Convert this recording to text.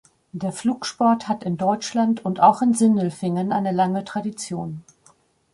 Der Flugsport hat in Deutschland und auch in Sindelfingen eine lange Tradition.